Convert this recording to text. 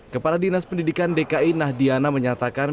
kepala dinas pendidikan dki nahdiana menyatakan